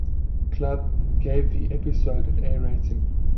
Club gave the episode an A rating.